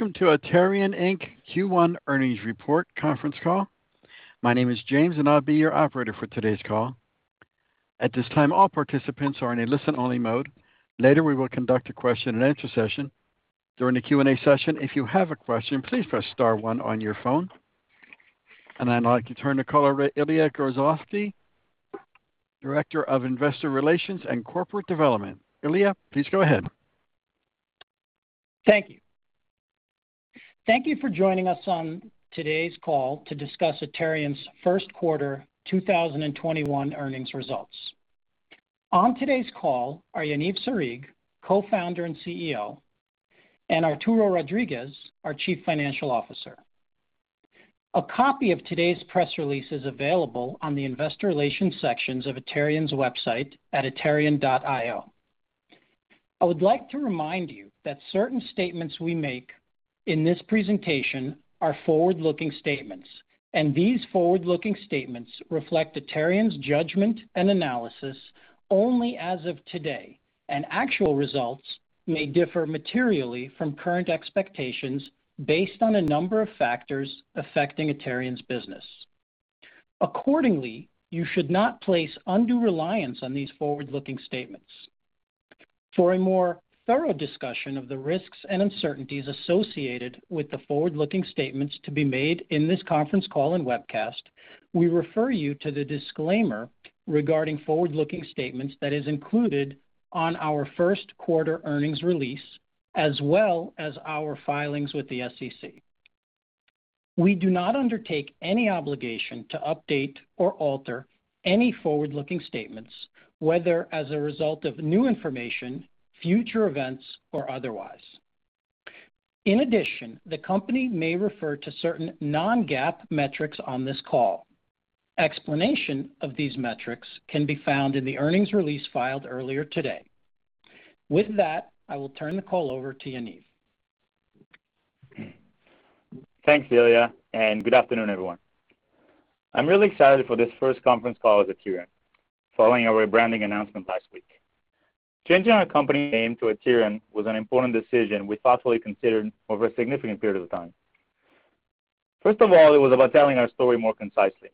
Welcome to Aterian, Inc. Q1 earnings report conference call. My name is James, and I'll be your operator for today's call. At this time, all participants are in a listen-only mode. Later, we will conduct a question-and-answer session. During the Q&A session, if you have a question, please press star one on your phone. I'd like to turn the call over to Ilya Grozovsky, Director of Investor Relations and Corporate Development. Ilya, please go ahead. Thank you. Thank you for joining us on today's call to discuss Aterian's first quarter 2021 earnings results. On today's call are Yaniv Sarig, Co-founder and CEO, and Arturo Rodriguez, our Chief Financial Officer. A copy of today's press release is available on the investor relations sections of Aterian's website at aterian.io. I would like to remind you that certain statements we make in this presentation are forward-looking statements, and these forward-looking statements reflect Aterian's judgment and analysis only as of today, and actual results may differ materially from current expectations based on a number of factors affecting Aterian's business. Accordingly, you should not place undue reliance on these forward-looking statements. For a more thorough discussion of the risks and uncertainties associated with the forward-looking statements to be made in this conference call and webcast, we refer you to the disclaimer regarding forward-looking statements that is included on our first quarter earnings release, as well as our filings with the SEC. We do not undertake any obligation to update or alter any forward-looking statements, whether as a result of new information, future events, or otherwise. In addition, the company may refer to certain non-GAAP metrics on this call. Explanation of these metrics can be found in the earnings release filed earlier today. With that, I will turn the call over to Yaniv. Thanks, Ilya, and good afternoon, everyone. I'm really excited for this first conference call as Aterian, following our rebranding announcement last week. Changing our company name to Aterian was an important decision we thoughtfully considered over a significant period of time. First of all, it was about telling our story more concisely.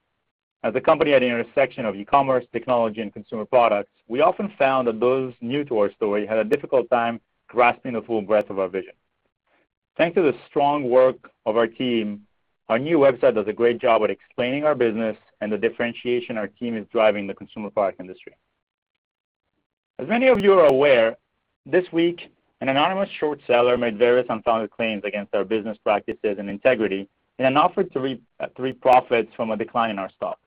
As a company at the intersection of e-commerce, technology, and consumer products, we often found that those new to our story had a difficult time grasping the full breadth of our vision. Thanks to the strong work of our team, our new website does a great job at explaining our business and the differentiation our team is driving the consumer product industry. As many of you are aware, this week an anonymous short seller made various unfounded claims against our business practices and integrity in an effort to reap profits from a decline in our stock.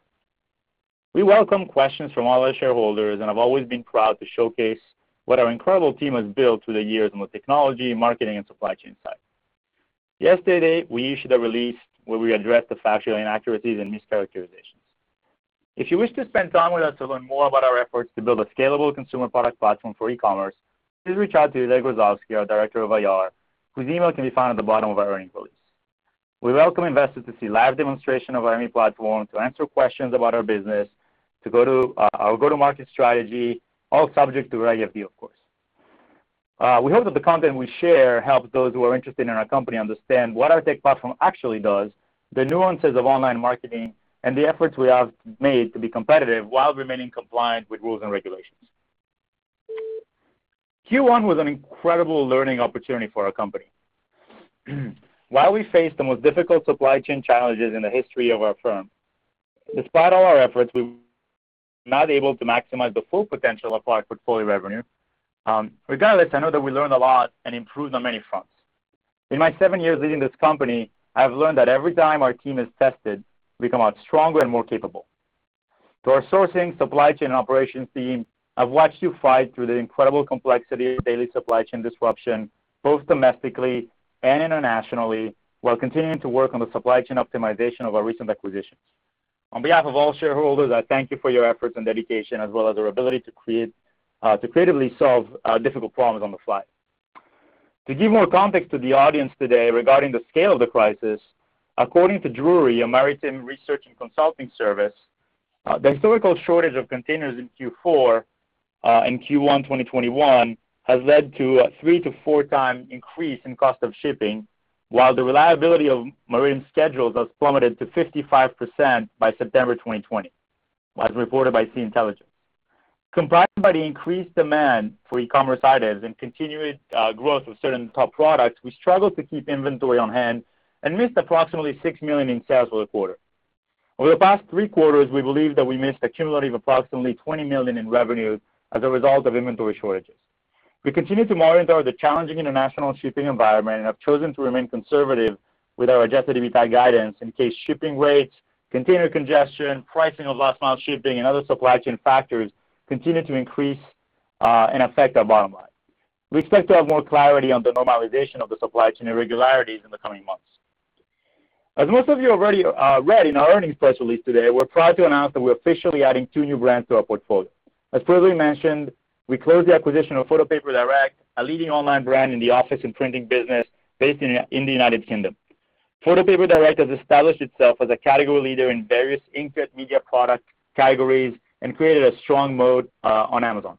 We welcome questions from all our shareholders. I've always been proud to showcase what our incredible team has built through the years with technology, marketing, and supply chain insight. Yesterday, we issued a release where we addressed the factual inaccuracies and mischaracterizations. If you wish to spend time with us to learn more about our efforts to build a scalable consumer product platform for e-commerce, please reach out to Ilya Grozovsky, our Director of IR, whose email can be found at the bottom of our earnings release. We welcome investors to see live demonstration of our AIMEE platform to answer questions about our business, our go-to-market strategy, all subject to regulatory, of course. We hope that the content we share helps those who are interested in our company understand what our tech platform actually does, the nuances of online marketing, and the efforts we have made to be competitive while remaining compliant with rules and regulations. Q1 was an incredible learning opportunity for our company. While we faced the most difficult supply chain challenges in the history of our firm, despite all our efforts, we were not able to maximize the full potential of our portfolio revenue. Regardless, I know that we learned a lot and improved on many fronts. In my seven years leading this company, I have learned that every time our team is tested, we come out stronger and more capable. To our sourcing, supply chain, and operations team, I've watched you fight through the incredible complexity of daily supply chain disruption, both domestically and internationally, while continuing to work on the supply chain optimization of our recent acquisitions. On behalf of all shareholders, I thank you for your efforts and dedication, as well as your ability to creatively solve difficult problems on the fly. To give more context to the audience today regarding the scale of the crisis, according to Drewry, a maritime research and consulting service, the historical shortage of containers in Q4 and Q1 2021 has led to a three to four times increase in cost of shipping, while the reliability of marine schedules has plummeted to 55% by September 2020, as reported by Sea-Intelligence. Combined by the increased demand for e-commerce items and continued growth of certain top products, we struggled to keep inventory on hand and missed approximately $6 million in sales for the quarter. Over the past three quarters, we believe that we missed a cumulative approximately $20 million in revenue as a result of inventory shortages. We continue to monitor the challenging international shipping environment and have chosen to remain conservative with our adjusted EBITDA guidance in case shipping rates, container congestion, pricing of last-mile shipping, and other supply chain factors continue to increase and affect our bottom line. We expect to have more clarity on the normalization of the supply chain irregularities in the coming months. As most of you already read in our earnings press release today, we're proud to announce that we're officially adding two new brands to our portfolio. As previously mentioned, we closed the acquisition of Photo Paper Direct, a leading online brand in the office and printing business based in the U.K. Photo Paper Direct has established itself as a category leader in various inkjet media product categories and created a strong moat on Amazon.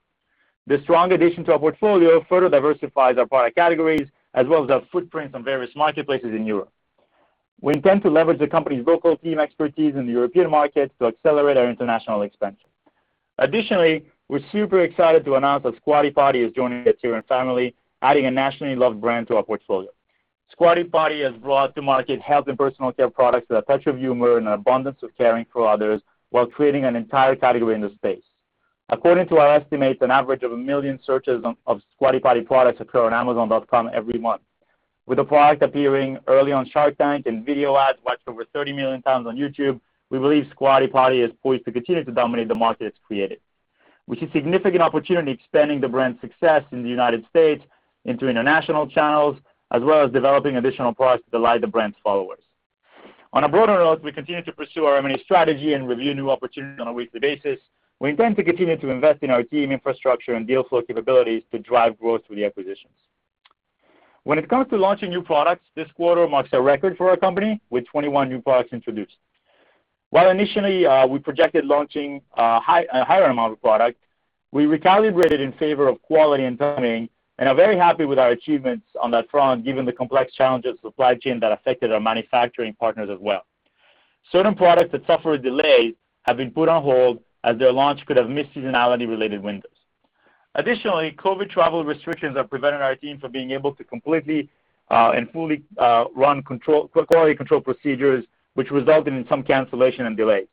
The strong addition to our portfolio further diversifies our product categories, as well as our footprints on various marketplaces in Europe. We intend to leverage the company's local team expertise in the European markets to accelerate our international expansion. We're super excited to announce that Squatty Potty is joining the Aterian family, adding a nationally loved brand to our portfolio. Squatty Potty has brought to market health and personal care products with a touch of humor and an abundance of caring for others while creating an entire category in this space. According to our estimates, an average of a million searches of Squatty Potty products occur on amazon.com every month. With a product appearing early on Shark Tank and video ads watched over 30 million times on YouTube, we believe Squatty Potty is poised to continue to dominate the market it's created. We see significant opportunity expanding the brand's success in the U.S. into international channels, as well as developing additional products to delight the brand's followers. On a broader note, we continue to pursue our M&A strategy and review new opportunities on a weekly basis. We intend to continue to invest in our team infrastructure and deal flow capabilities to drive growth through the acquisitions. When it comes to launching new products, this quarter marks a record for our company, with 21 new products introduced. While initially, we projected launching a higher amount of product, we recalibrated in favor of quality and timing and are very happy with our achievements on that front, given the complex challenges of supply chain that affected our manufacturing partners as well. Certain products that suffered delays have been put on hold, as their launch could have missed seasonality-related windows. Additionally, COVID travel restrictions have prevented our team from being able to completely and fully run quality control procedures, which resulted in some cancellation and delays.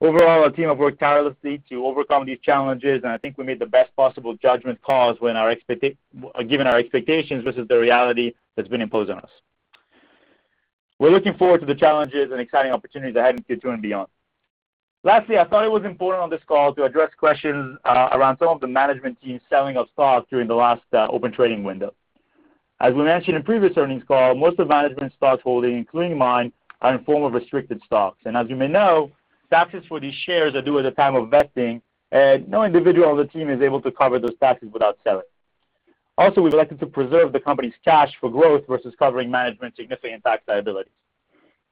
Overall, our team have worked tirelessly to overcome these challenges, and I think we made the best possible judgment calls given our expectations versus the reality that's been imposed on us. We're looking forward to the challenges and exciting opportunities ahead in Q2 and beyond. Lastly, I thought it was important on this call to address questions around some of the management team selling of stock during the last open trading window. As we mentioned in previous earnings call, most of management's stock holding, including mine, are in form of restricted stocks. As you may know, taxes for these shares are due at the time of vesting, and no individual on the team is able to cover those taxes without selling. We'd elected to preserve the company's cash for growth versus covering management's significant tax liabilities.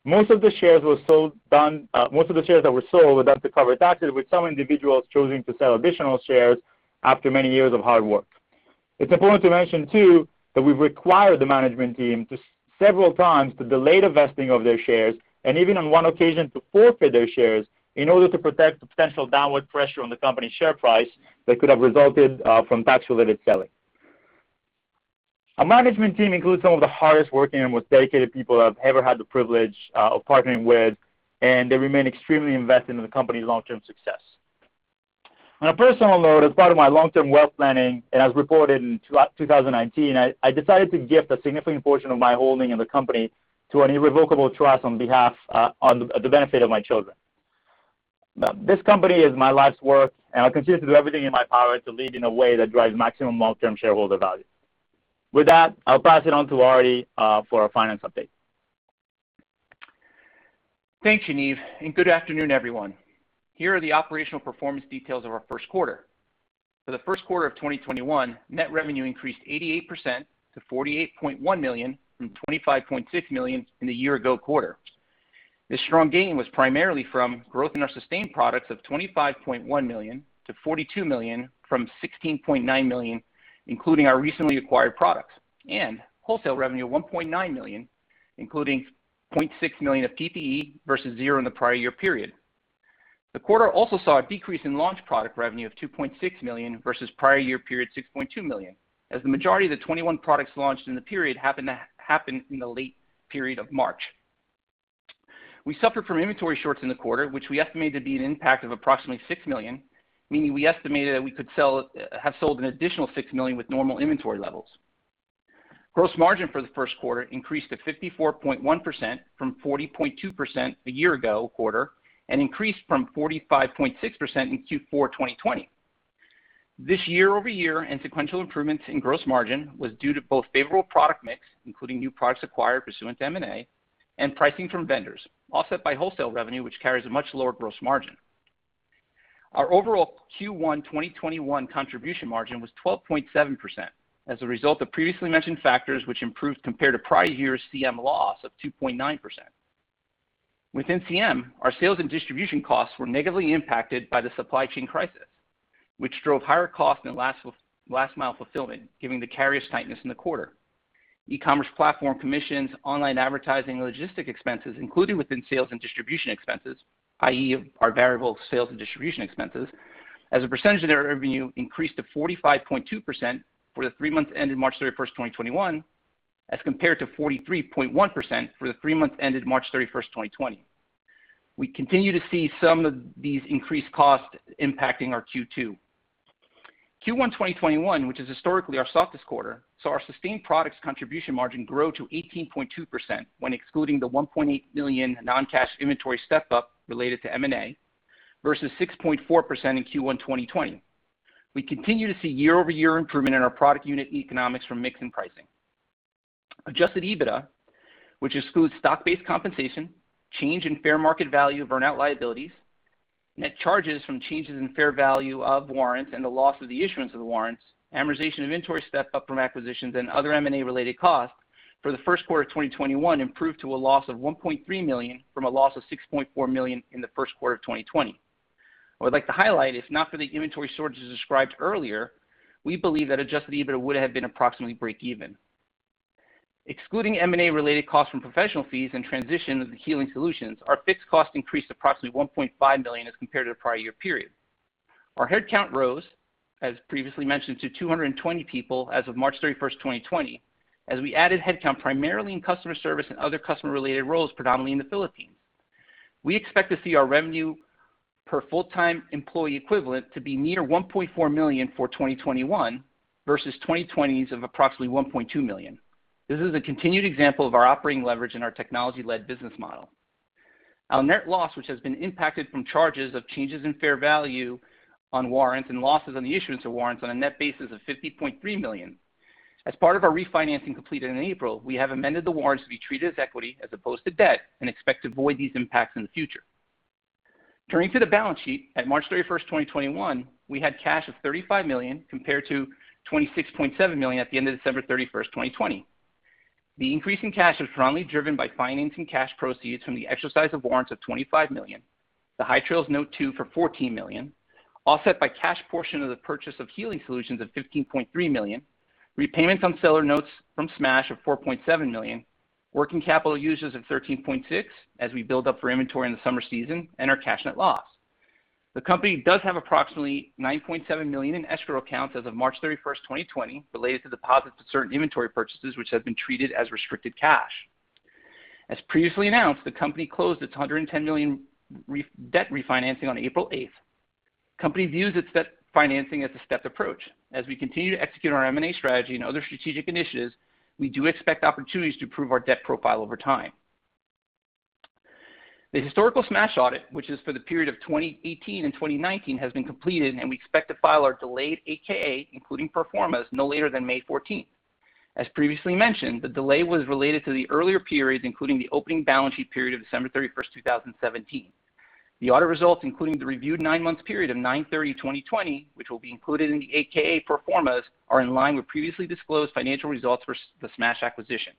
Most of the shares that were sold were done to cover taxes, with some individuals choosing to sell additional shares after many years of hard work. It's important to mention too, that we've required the management team several times to delay the vesting of their shares, and even on one occasion, to forfeit their shares, in order to protect the potential downward pressure on the company's share price that could have resulted from tax-related selling. Our management team includes some of the hardest-working and most dedicated people I've ever had the privilege of partnering with, and they remain extremely invested in the company's long-term success. On a personal note, as part of my long-term wealth planning, and as reported in 2019, I decided to gift a significant portion of my holding in the company to an irrevocable trust on the benefit of my children. This company is my life's work, and I continue to do everything in my power to lead in a way that drives maximum long-term shareholder value. With that, I'll pass it on to Arturo for our finance update. Thanks, Yaniv, and good afternoon, everyone. Here are the operational performance details of our first quarter. For the first quarter of 2021, net revenue increased 88% to $48.1 million from $25.6 million in the year ago quarter. This strong gain was primarily from growth in our sustained products of $25.1 million-$42 million from $16.9 million, including our recently acquired products. Wholesale revenue of $1.9 million, including $0.6 million of PPE versus zero in the prior year period. The quarter also saw a decrease in launch product revenue of $2.6 million versus prior year period $6.2 million, as the majority of the 21 products launched in the period happened in the late period of March. We suffered from inventory shorts in the quarter, which we estimate to be an impact of approximately $6 million, meaning we estimated that we could have sold an additional $6 million with normal inventory levels. Gross margin for the first quarter increased to 54.1% from 40.2% a year ago quarter, and increased from 45.6% in Q4 2020. This year-over-year and sequential improvements in gross margin was due to both favorable product mix, including new products acquired pursuant to M&A, and pricing from vendors, offset by wholesale revenue, which carries a much lower gross margin. Our overall Q1 2021 contribution margin was 12.7%, as a result of previously mentioned factors which improved compared to prior year's CM loss of 2.9%. Within CM, our sales and distribution costs were negatively impacted by the supply chain crisis, which drove higher costs in last mile fulfillment, giving the carrier's tightness in the quarter. E-commerce platform commissions, online advertising, and logistic expenses included within sales and distribution expenses, i.e., our variable sales and distribution expenses, as a percentage of their revenue, increased to 45.2% for the three months ended March 31st, 2021, as compared to 43.1% for the three months ended March 31st, 2020. We continue to see some of these increased costs impacting our Q2. Q1 2021, which is historically our softest quarter, saw our sustained products contribution margin grow to 18.2% when excluding the $1.8 million non-cash inventory step-up related to M&A versus 6.4% in Q1 2020. We continue to see year-over-year improvement in our product unit economics from mix and pricing. Adjusted EBITDA, which excludes stock-based compensation, change in fair market value of earn-out liabilities, net charges from changes in fair value of warrants and the loss of the issuance of the warrants amortization of inventory step up from acquisitions and other M&A related costs for the first quarter of 2021 improved to a loss of $1.3 million from a loss of $6.4 million in the first quarter of 2020. I would like to highlight, if not for the inventory shortages described earlier, we believe that adjusted EBITDA would have been approximately break even. Excluding M&A related costs from professional fees and transition of the Healing Solutions, our fixed costs increased approximately $1.5 million as compared to the prior year period. Our headcount rose, as previously mentioned, to 220 people as of March 31st, 2020, as we added headcount primarily in customer service and other customer related roles, predominantly in the Philippines. We expect to see our revenue per full-time employee equivalent to be near $1.4 million for 2021 versus 2020's of approximately $1.2 million. This is a continued example of our operating leverage in our technology-led business model. Our net loss, which has been impacted from charges of changes in fair value on warrants and losses on the issuance of warrants on a net basis of $50.3 million. As part of our refinancing completed in April, we have amended the warrants to be treated as equity as opposed to debt, and expect to avoid these impacts in the future. Turning to the balance sheet at March 31st, 2021, we had cash of $35 million compared to $26.7 million at the end of December 31st, 2020. The increase in cash was strongly driven by financing cash proceeds from the exercise of warrants of $25 million. The High Trail note two for $14 million, offset by cash portion of the purchase of Healing Solutions of $15.3 million, repayments on seller notes from Smash of $4.7 million, working capital uses of $13.6 as we build up for inventory in the summer season and our cash net loss. The company does have approximately $9.7 million in escrow accounts as of March 31st, 2020, related to deposits of certain inventory purchases, which have been treated as restricted cash. As previously announced, the company closed its $110 million debt refinancing on April 8th. Company views its debt financing as a stepped approach. As we continue to execute our M&A strategy and other strategic initiatives, we do expect opportunities to improve our debt profile over time. The historical Smash audit, which is for the period of 2018 and 2019, has been completed, and we expect to file our delayed 8-K, including pro formas, no later than May 14th. As previously mentioned, the delay was related to the earlier periods, including the opening balance sheet period of December 31st, 2017. The audit results, including the reviewed nine months period of 9/30/2020, which will be included in the 8-K pro formas, are in line with previously disclosed financial results for the Smash acquisition.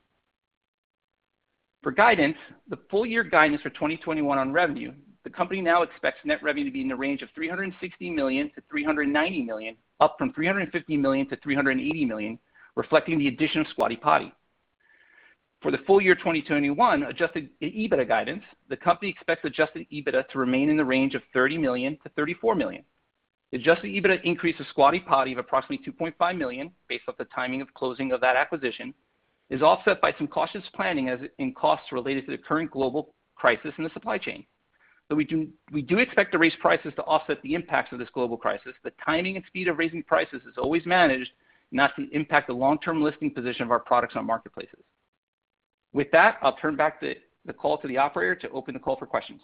For guidance, the full year guidance for 2021 on revenue, the company now expects net revenue to be in the range of $360 million-$390 million, up from $350 million-$380 million, reflecting the addition of Squatty Potty. For the full year 2021 adjusted EBITDA guidance, the company expects adjusted EBITDA to remain in the range of $30 million-$34 million. The adjusted EBITDA increase of Squatty Potty of approximately $2.5 million, based off the timing of closing of that acquisition, is offset by some cautious planning in costs related to the current global crisis in the supply chain. We do expect to raise prices to offset the impacts of this global crisis, but timing and speed of raising prices is always managed not to impact the long term listing position of our products on marketplaces. With that, I'll turn back the call to the operator to open the call for questions.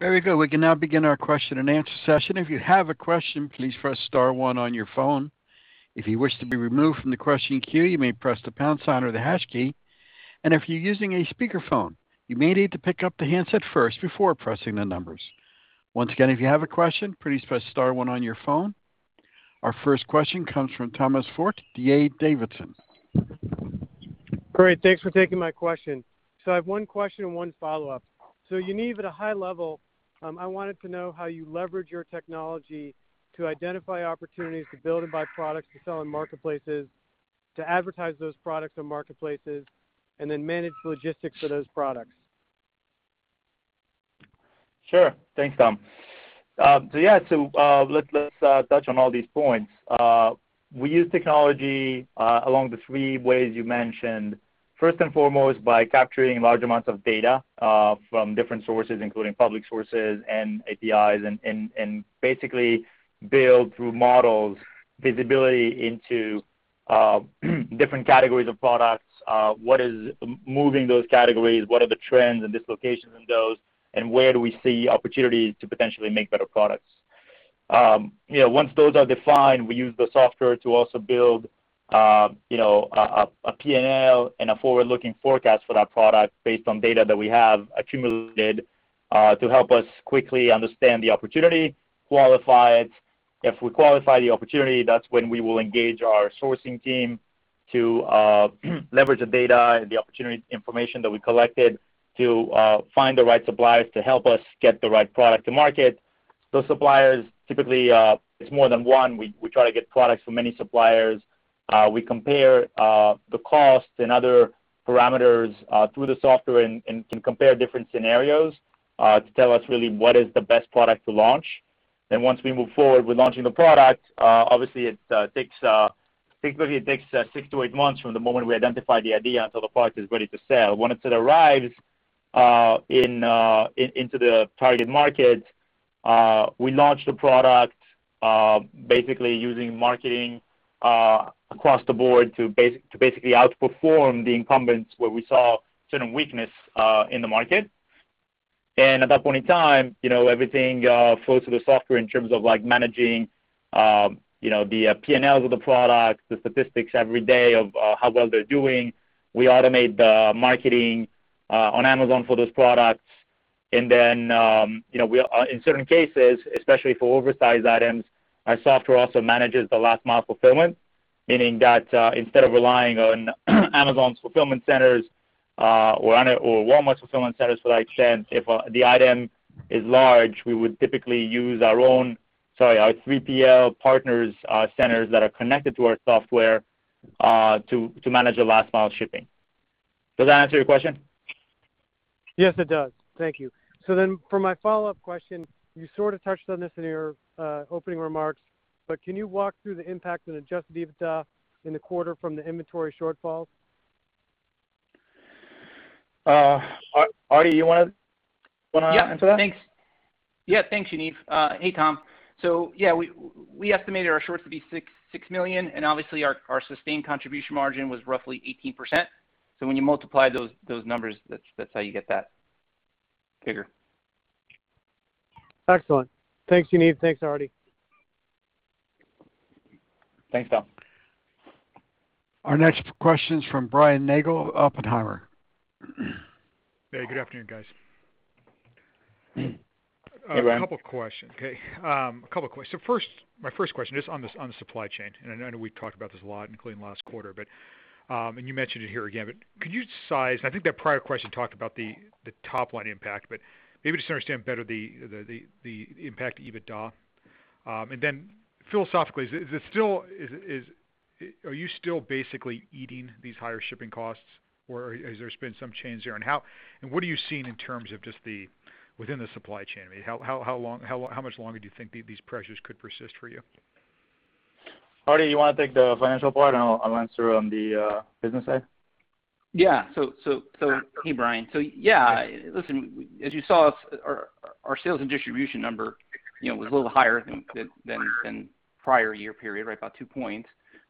Very good. We can now begin our question and answer session. If you have a question, please press star one on your phone. If you wish to be removed from the question queue, you may press the pound sign or the hash key, and if you're using a speakerphone, you may need to pick up the handset first before pressing the numbers. Once again, if you have a question, please press star one on your phone. Our first question comes from Thomas Forte, D.A. Davidson. Great. Thanks for taking my question. I have one question and one follow-up. Yaniv, at a high level, I wanted to know how you leverage your technology to identify opportunities to build and buy products to sell on marketplaces, to advertise those products on marketplaces, and then manage the logistics for those products. Sure. Thanks, Tom. Yeah. Let's touch on all these points. We use technology along the three ways you mentioned. First and foremost, by capturing large amounts of data, from different sources, including public sources and APIs, basically build, through models, visibility into different categories of products. What is moving those categories, what are the trends and dislocations in those, where do we see opportunities to potentially make better products? Once those are defined, we use the software to also build a P&L and a forward-looking forecast for that product based on data that we have accumulated, to help us quickly understand the opportunity, qualify it. If we qualify the opportunity, that's when we will engage our sourcing team to leverage the data and the opportunity information that we collected to find the right suppliers to help us get the right product to market. Those suppliers, typically, it's more than one. We try to get products from many suppliers. We compare the cost and other parameters through the software and can compare different scenarios to tell us really what is the best product to launch. Once we move forward with launching the product, obviously, typically it takes six to eight months from the moment we identify the idea until the product is ready to sell. Once it arrives into the target market, we launch the product, basically using marketing across the board to basically outperform the incumbents where we saw certain weakness in the market. At that point in time, everything flows through the software in terms of managing The P&Ls of the products, the statistics every day of how well they're doing. We automate the marketing on Amazon for those products. In certain cases, especially for oversized items, our software also manages the last mile fulfillment, meaning that instead of relying on Amazon's fulfillment centers or Walmart's fulfillment centers for that sense, if the item is large, we would typically use our 3PL partners centers that are connected to our software, to manage the last mile shipping. Does that answer your question? Yes, it does. Thank you. For my follow-up question, you sort of touched on this in your opening remarks, but can you walk through the impact of adjusted EBITDA in the quarter from the inventory shortfalls? Arturo, you want to answer that? Yeah, thanks. Yeah, thanks, Yaniv. Hey, Tom. Yeah, we estimated our shorts to be $6 million, and obviously our sustained contribution margin was roughly 18%. When you multiply those numbers, that's how you get that figure. Excellent. Thanks, Yaniv. Thanks, Arturo. Thanks, Tom. Our next question's from Brian Nagel, Oppenheimer. Hey, good afternoon, guys. Hey, Brian. A couple questions. Okay, a couple questions. My first question is on the supply chain, and I know we talked about this a lot, including last quarter, and you mentioned it here again, but could you size, and I think that prior question talked about the top line impact, but maybe just to understand better the impact to EBITDA. Philosophically, are you still basically eating these higher shipping costs, or has there been some change there, and what are you seeing in terms of just within the supply chain? How much longer do you think these pressures could persist for you? Arturo, you want to take the financial part, and I'll answer on the business side? Hey, Brian. Yeah, listen, as you saw, our sales and distribution number was a little higher than prior year period, about two points.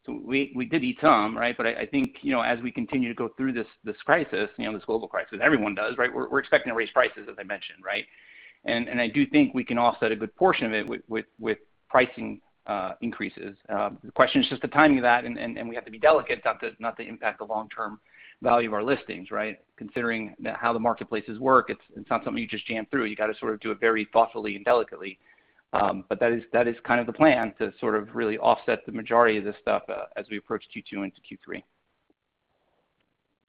We did eat some. I think, as we continue to go through this crisis, this global crisis, everyone does, right? We're expecting to raise prices, as I mentioned. I do think we can offset a good portion of it with pricing increases. The question is just the timing of that, and we have to be delicate not to impact the long-term value of our listings. Considering how the marketplaces work, it's not something you just jam through. You got to sort of do it very thoughtfully and delicately. That is kind of the plan to sort of really offset the majority of this stuff as we approach Q2 into Q3.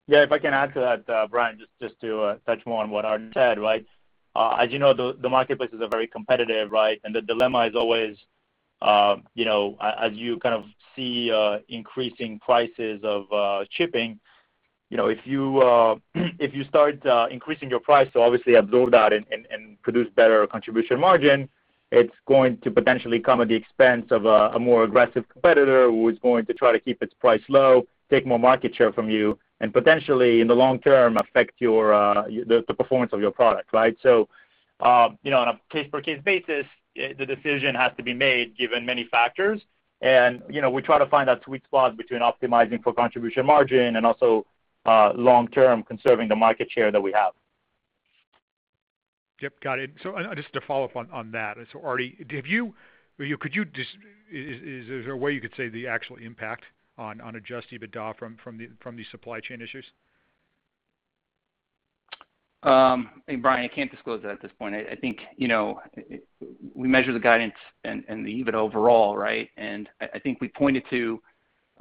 Yeah, if I can add to that, Brian, just to touch more on what Arturo said. As you know, the marketplace is very competitive. The dilemma is always, as you kind of see increasing prices of shipping, if you start increasing your price to obviously absorb that and produce better contribution margin, it's going to potentially come at the expense of a more aggressive competitor who is going to try to keep its price low, take more market share from you, and potentially, in the long term, affect the performance of your product. On a case-by-case basis, the decision has to be made given many factors. We try to find that sweet spot between optimizing for contribution margin and also, long term, conserving the market share that we have. Yep, got it. Just to follow up on that, Arturo, is there a way you could say the actual impact on adjusted EBITDA from these supply chain issues? Hey, Brian, I can't disclose that at this point. I think we measure the guidance and the EBIT overall. I think we pointed to,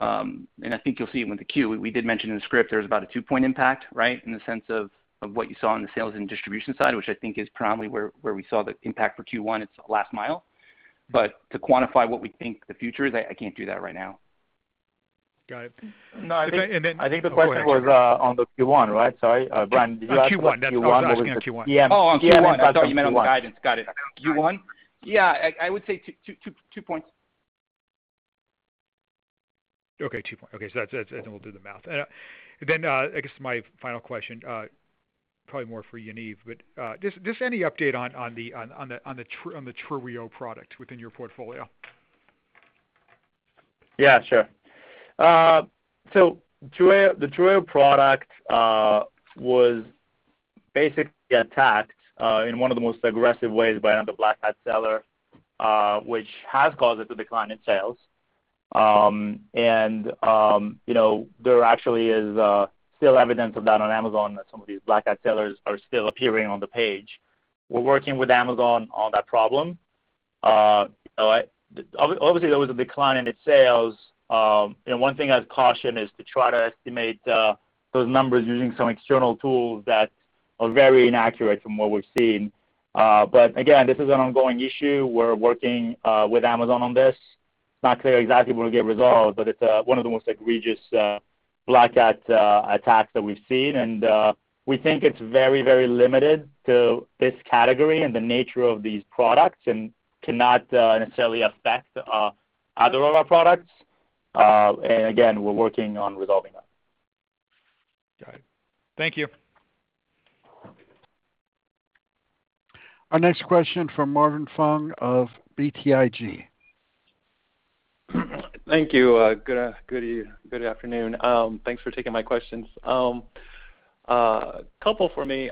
I think you'll see it when the Q, we did mention in the script, there was about a 2-point impact in the sense of what you saw on the sales and distribution side, which I think is primarily where we saw the impact for Q1, it's the last mile. To quantify what we think the future is, I can't do that right now. Got it. No, I think the question was on the Q1, right? Sorry. Brian, did you ask Q1? On Q1. I was asking on Q1. The PM- Oh, on Q1. I thought you meant on the guidance. Got it. Q1? Yeah, I would say two points. Okay, two points. Okay. We'll do the math. Then, I guess my final question, probably more for Yaniv, but just any update on the Truweo product within your portfolio? Yeah, sure. The Truweo product was basically attacked in one of the most aggressive ways by another black hat seller, which has caused it to decline in sales. There actually is still evidence of that on Amazon that some of these black hat sellers are still appearing on the page. We're working with Amazon on that problem. Obviously, there was a decline in its sales. One thing I'd caution is to try to estimate those numbers using some external tools that are very inaccurate from what we've seen. Again, this is an ongoing issue. We're working with Amazon on this. It's not clear exactly when it will get resolved, but it's one of the most egregious black hat attacks that we've seen, and we think it's very limited to this category and the nature of these products and cannot necessarily affect other of our products. Again, we're working on resolving that. Got it. Thank you. Our next question from Marvin Fong of BTIG. Thank you. Good afternoon. Thanks for taking my questions. A couple for me.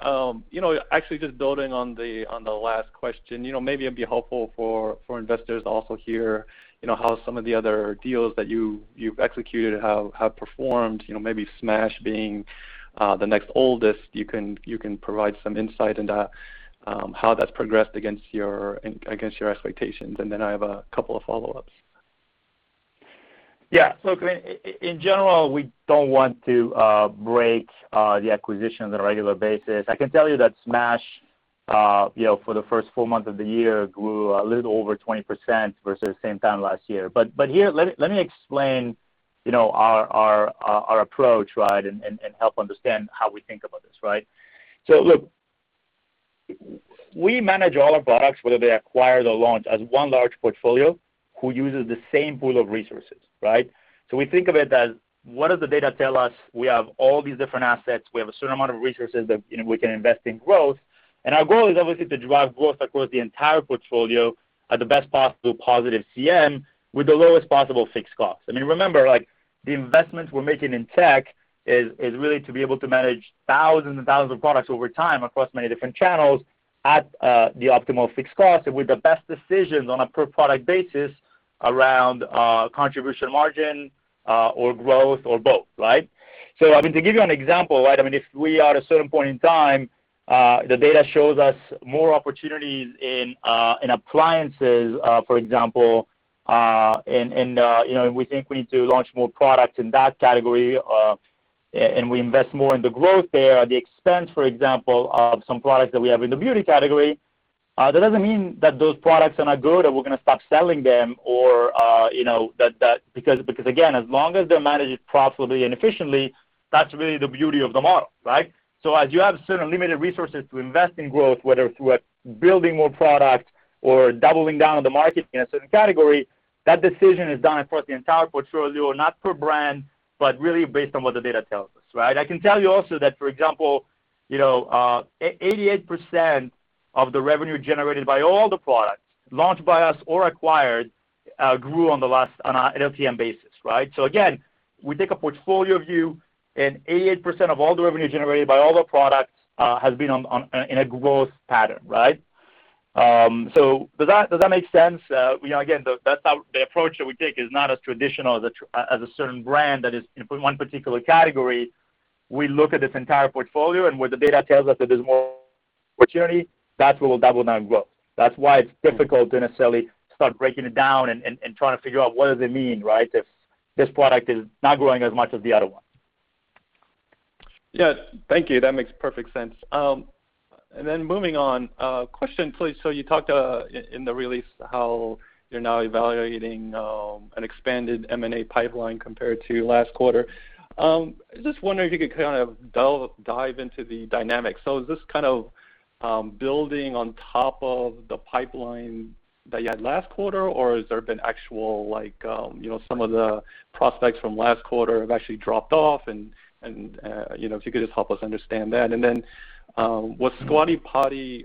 Actually, just building on the last question, maybe it'd be helpful for investors also here, how some of the other deals that you've executed have performed, maybe Smash being the next oldest. You can provide some insight into how that's progressed against your expectations. I have a couple of follow-ups. Yeah, in general, we don't want to break the acquisition on a regular basis. I can tell you that Smash, for the first four months of the year, grew a little over 20% versus same time last year. Here, let me explain our approach, and help understand how we think about this. Look, we manage all our products, whether they acquire the launch, as one large portfolio who uses the same pool of resources. We think of it as what does the data tell us? We have all these different assets. We have a certain amount of resources that we can invest in growth, and our goal is obviously to drive growth across the entire portfolio at the best possible positive CM, with the lowest possible fixed cost. Remember, the investments we're making in tech is really to be able to manage thousands and thousands of products over time across many different channels at the optimal fixed cost and with the best decisions on a per product basis around contribution margin, or growth, or both. To give you an example, if we are at a certain point in time, the data shows us more opportunities in appliances, for example, and we think we need to launch more products in that category, and we invest more in the growth there at the expense, for example, of some products that we have in the beauty category. That doesn't mean that those products are not good or we're going to stop selling them, because again, as long as they're managed profitably and efficiently, that's really the beauty of the model. As you have certain limited resources to invest in growth, whether it's through building more product or doubling down on the market in a certain category, that decision is done across the entire portfolio, not per brand, but really based on what the data tells us. I can tell you also that, for example, 88% of the revenue generated by all the products launched by us or acquired, grew on an LTM basis. Again, we take a portfolio view, and 88% of all the revenue generated by all the products has been in a growth pattern. Does that make sense? Again, the approach that we take is not as traditional as a certain brand that is in one particular category. We look at this entire portfolio, and where the data tells us that there's more opportunity, that's where we'll double down growth. That's why it's difficult to necessarily start breaking it down and trying to figure out what does it mean if this product is not growing as much as the other one. Yeah. Thank you. That makes perfect sense. Moving on, question please. You talked in the release how you're now evaluating an expanded M&A pipeline compared to last quarter. I was just wondering if you could kind of dive into the dynamics. Is this kind of building on top of the pipeline that you had last quarter, or has there been actual like some of the prospects from last quarter have actually dropped off? If you could just help us understand that. Was Squatty Potty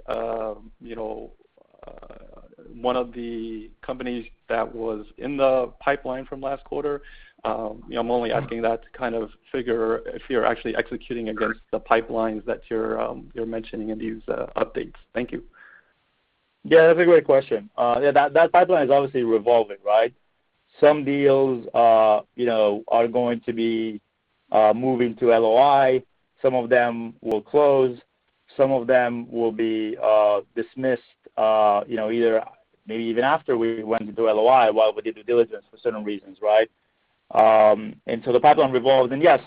one of the companies that was in the pipeline from last quarter? I'm only asking that to kind of figure if you're actually executing against the pipelines that you're mentioning in these updates. Thank you. That's a great question. That pipeline is obviously revolving. Some deals are going to be moving to LOI. Some of them will close, some of them will be dismissed, maybe even after we went into LOI, while we did due diligence for certain reasons. The pipeline revolves and yes,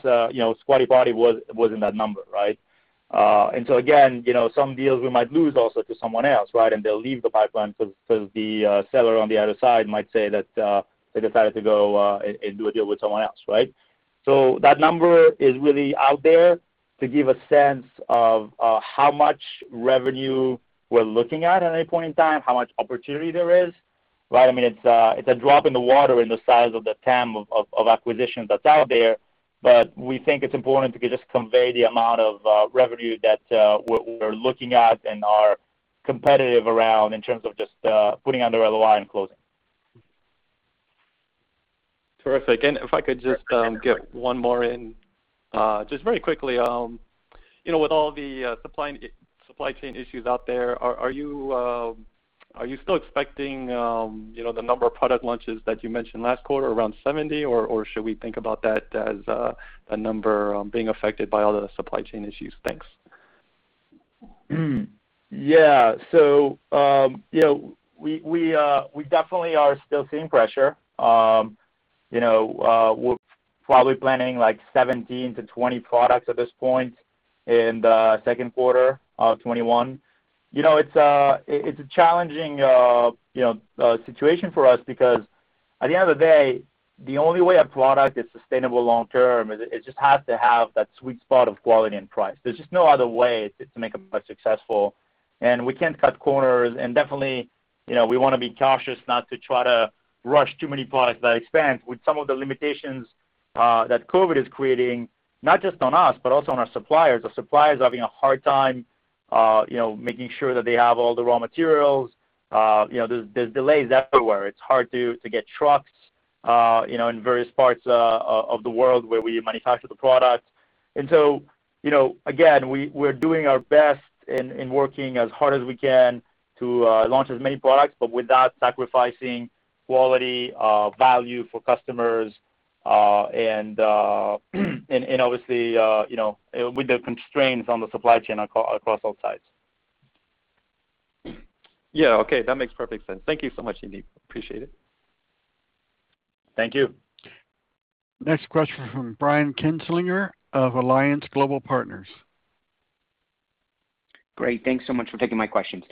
Squatty Potty was in that number. Again, some deals we might lose also to someone else, and they'll leave the pipeline because the seller on the other side might say that they decided to go and do a deal with someone else. That number is really out there to give a sense of how much revenue we're looking at any point in time, how much opportunity there is. It's a drop in the water in the size of the TAM of acquisition that's out there, but we think it's important to just convey the amount of revenue that we're looking at and are competitive around in terms of just putting under LOI and closing. Terrific. If I could just get one more in, just very quickly. With all the supply chain issues out there, are you still expecting the number of product launches that you mentioned last quarter, around 70, or should we think about that as a number being affected by all the supply chain issues? Thanks. Yeah. We definitely are still seeing pressure. We're probably planning 17-20 products at this point in the second quarter of 2021. It's a challenging situation for us because, at the end of the day, the only way a product is sustainable long-term, is it just has to have that sweet spot of quality and price. There's just no other way to make a product successful, and we can't cut corners, and definitely, we want to be cautious not to try to rush too many products by expense with some of the limitations that COVID is creating, not just on us, but also on our suppliers. Our suppliers are having a hard time making sure that they have all the raw materials. There's delays everywhere. It's hard to get trucks in various parts of the world where we manufacture the product. Again, we're doing our best and working as hard as we can to launch as many products, but without sacrificing quality, value for customers, and obviously, with the constraints on the supply chain across all sides. Yeah. Okay. That makes perfect sense. Thank you so much, Yaniv. Appreciate it. Thank you. Next question from Brian Kinstlinger of Alliance Global Partners. Great. Thanks so much for taking my questions.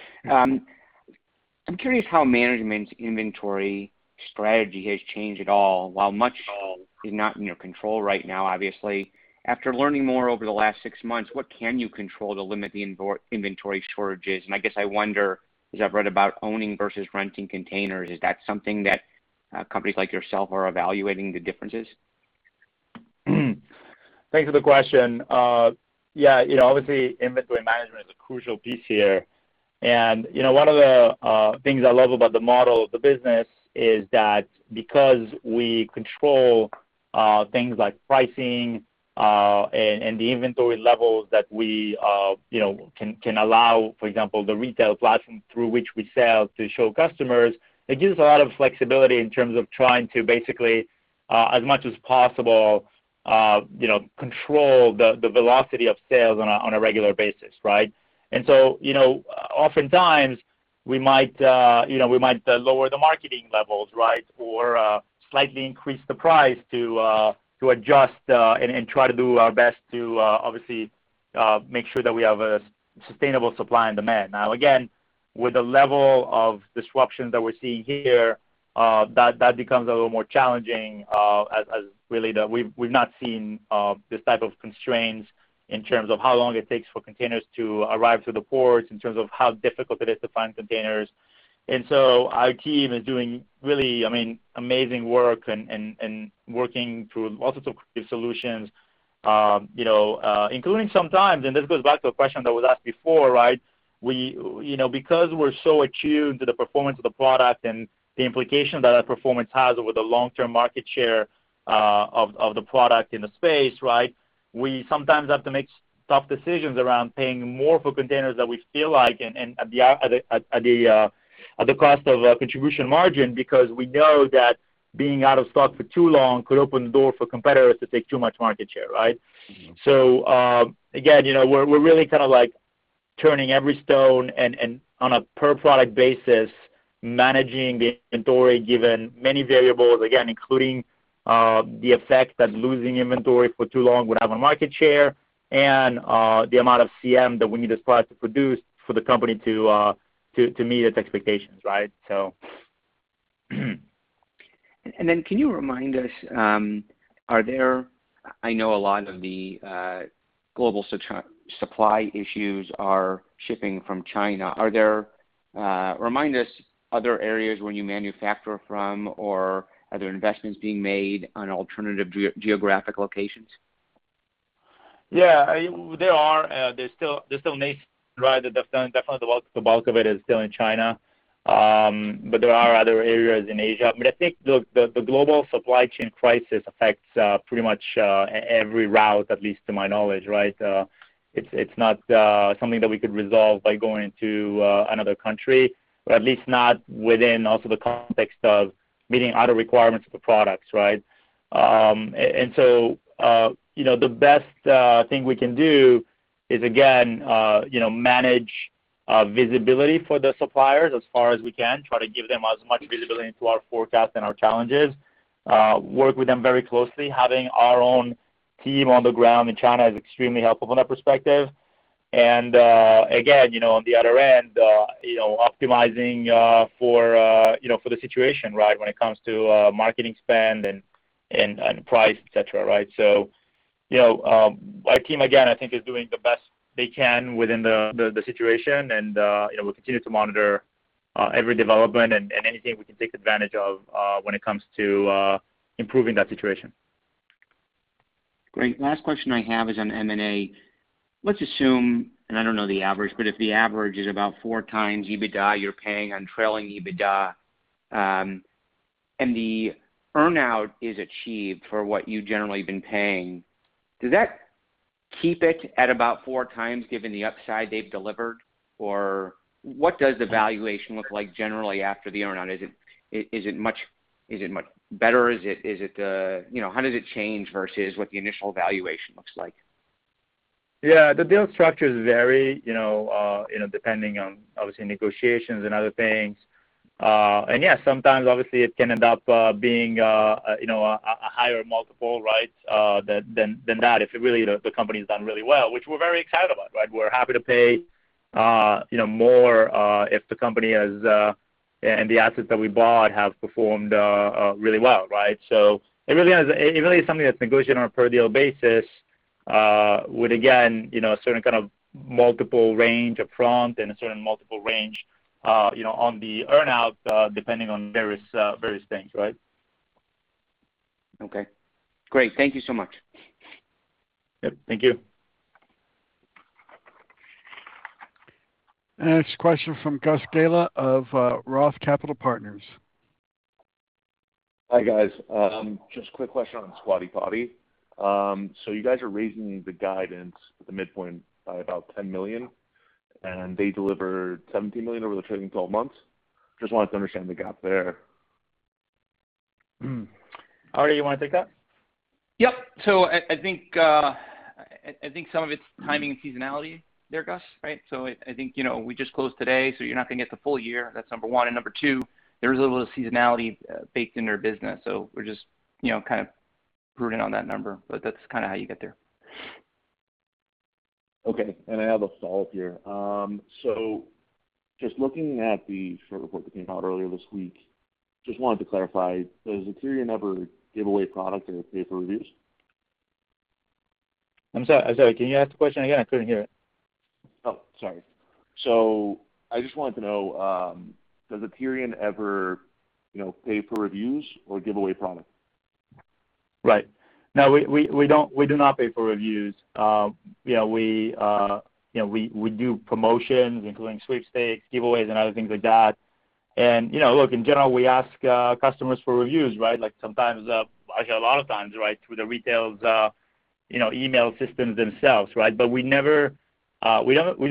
Yeah. I'm curious how management inventory strategy has changed at all. While much is not in your control right now, obviously, after learning more over the last six months, what can you control to limit the inventory shortages? I guess I wonder, because I've read about owning versus renting containers, is that something that companies like yourself are evaluating the differences? Thanks for the question. Yeah. Obviously, inventory management is a crucial piece here. One of the things I love about the model of the business is that because we control things like pricing, and the inventory levels that we can allow, for example, the retail platform through which we sell to show customers, it gives a lot of flexibility in terms of trying to basically, as much as possible, control the velocity of sales on a regular basis. Right? Oftentimes, we might lower the marketing levels, or slightly increase the price to adjust, and try to do our best to obviously, make sure that we have a sustainable supply and demand. Now, again, with the level of disruption that we're seeing here, that becomes a little more challenging, as really we've not seen this type of constraints in terms of how long it takes for containers to arrive to the ports, in terms of how difficult it is to find containers. Our team is doing really amazing work and working through all sorts of creative solutions, including sometimes, and this goes back to a question that was asked before. Because we're so attuned to the performance of the product and the implication that our performance has over the long-term market share of the product in the space, we sometimes have to make tough decisions around paying more for containers that we feel like, at the cost of contribution margin, because we know that being out of stock for too long could open the door for competitors to take too much market share. Right? Again, we're really kind of turning every stone and on a per product basis, managing the inventory given many variables, again, including the effect that losing inventory for too long would have on market share, and the amount of CM that we need a product to produce for the company to meet its expectations. Right? Can you remind us, I know a lot of the global supply issues are shipping from China. Remind us, other areas where you manufacture from, or are there investments being made on alternative geographic locations? Yeah. There are. Definitely the bulk of it is still in China, but there are other areas in Asia. I think the global supply chain crisis affects pretty much every route, at least to my knowledge. It's not something that we could resolve by going to another country, or at least not within also the context of meeting other requirements of the products. The best thing we can do is, again, manage visibility for the suppliers as far as we can, try to give them as much visibility into our forecast and our challenges, work with them very closely. Having our own team on the ground in China is extremely helpful from that perspective. Again, on the other end, optimizing for the situation when it comes to marketing spend and price, et cetera. Right? Our team, again, I think is doing the best they can within the situation and we'll continue to monitor every development and anything we can take advantage of when it comes to improving that situation. Great. Last question I have is on M&A. Let's assume, and I don't know the average, but if the average is about 4x EBITDA, you're paying on trailing EBITDA, and the earn-out is achieved for what you generally have been paying, does that keep it at about 4x, given the upside they've delivered? What does the valuation look like generally after the earn-out? Is it much better? How does it change versus what the initial valuation looks like? Yeah. The deal structures vary depending on, obviously, negotiations and other things. Yeah, sometimes obviously, it can end up being a higher multiple than that if really the company's done really well, which we're very excited about. We're happy to pay more if the company and the assets that we bought have performed really well. It really is something that's negotiated on a per deal basis, with, again, a certain kind of multiple range up front and a certain multiple range on the earn-out, depending on various things. Okay, great. Thank you so much. Yep, thank you. Next question from Gus Galá of Roth Capital Partners. Hi, guys. Just a quick question on Squatty Potty. You guys are raising the guidance at the midpoint by about $10 million, and they delivered $17 million over the trailing 12 months. Just wanted to understand the gap there. Arturo, you want to take that? Yep. I think some of it's timing and seasonality there, Gus. I think, we just closed today, so you're not going to get the full year, that's number one. Number two, there is a little seasonality baked in their business, so we're just kind of prudent on that number, but that's kind of how you get there. Okay. I have a follow-up here. Just looking at the short report that came out earlier this week, just wanted to clarify, does Aterian ever give away product or pay for reviews? I'm sorry. Can you ask the question again? I couldn't hear it. Oh, sorry. I just wanted to know, does Aterian ever pay for reviews or give away product? Right. No, we do not pay for reviews. We do promotions, including sweepstakes, giveaways, and other things like that. Look, in general, we ask customers for reviews. Like sometimes, actually a lot of times, through the retail's email systems themselves. We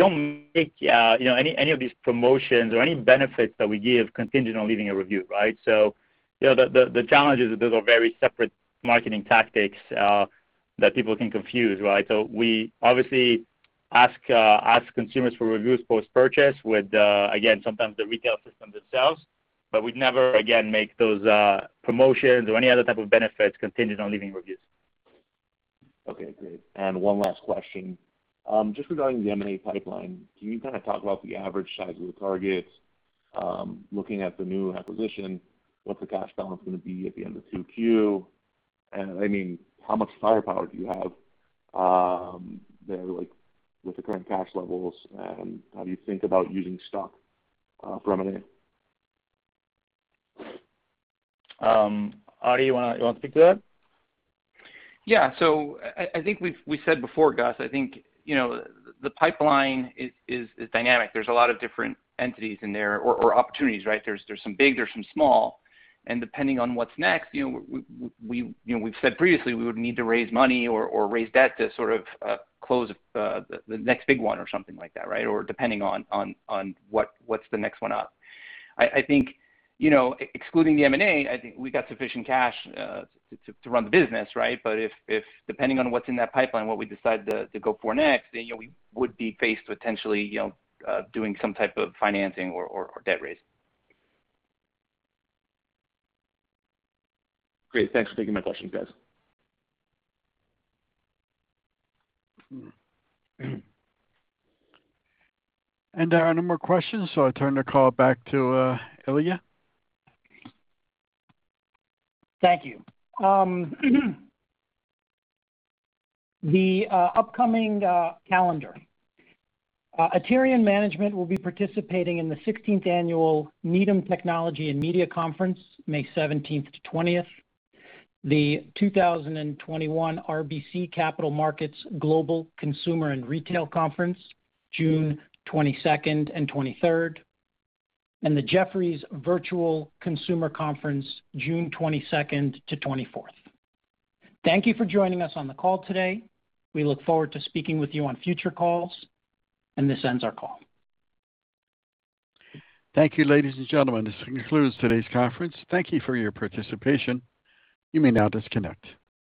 don't make any of these promotions or any benefits that we give contingent on leaving a review. The challenge is that those are very separate marketing tactics that people can confuse. We obviously ask consumers for reviews post-purchase with, again, sometimes the retail system themselves, but we'd never, again, make those promotions or any other type of benefits contingent on leaving reviews. Okay, great. One last question. Just regarding the M&A pipeline, can you kind of talk about the average size of the targets? Looking at the new acquisition, what's the cash balance going to be at the end of 2Q? How much firepower do you have there, with the current cash levels, and how do you think about using stock for M&A? Arturo, you want to speak to that? I think we've said before, Gus, I think the pipeline is dynamic. There's a lot of different entities in there, or opportunities. There's some big, there's some small, depending on what's next, we've said previously, we would need to raise money or raise debt to sort of close the next big one or something like that. Depending on what's the next one up. Excluding the M&A, I think we got sufficient cash to run the business. Depending on what's in that pipeline, what we decide to go for next, we would be faced with potentially doing some type of financing or debt raise. Great. Thanks for taking my questions, guys. There are no more questions, so I turn the call back to Ilya. Thank you. The upcoming calendar. Aterian management will be participating in the 16th Annual Needham Technology and Media Conference, May 17th-20th. The 2021 RBC Capital Markets Global Consumer and Retail Conference, June 22nd and 23rd. The Jefferies Virtual Consumer Conference, June 22nd-24th. Thank you for joining us on the call today. We look forward to speaking with you on future calls. This ends our call. Thank you, ladies and gentlemen. This concludes today's conference. Thank you for your participation. You may now disconnect.